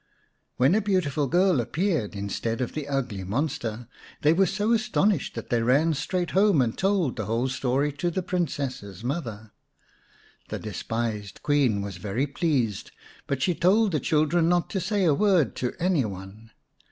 When a beautiful girl appeared instead of the ugly monster, they were so astonished that they ran straight home and told the whole story to the Princess's mother. The despised Queen was very pleased, but she told the children not to say a word to any one.